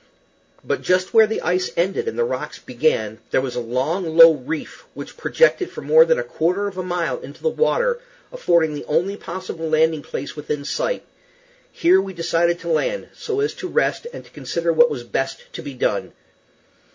But just where the ice ended and the rocks began there was a long, low reef, which projected for more than a quarter of a mile into the water, affording the only possible landing place within sight. Here we decided to land, so as to rest and consider what was best to be done.